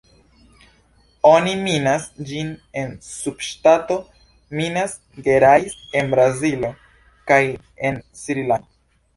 Oni minas ĝin en subŝtato Minas Gerais en Brazilo kaj en Srilanko.